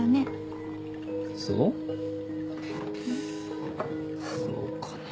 そうかな。